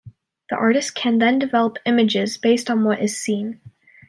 The artist can then develop images based on what is seen.